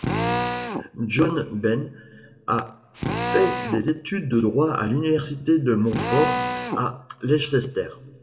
John Bain a fait des études de droit à l'université De Monfort, à Leicester.